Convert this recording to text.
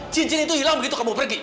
cincin itu hilang begitu kamu pergi